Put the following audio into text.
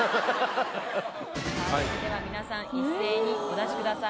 はいでは皆さん一斉にお出しください